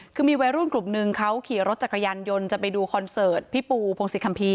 คือมีวัยรุ่นกลุ่มนึงเขาขี่รถจักรยานยนต์จะไปดูคอนเสิร์ตพี่ปูพงศิษคัมภีร์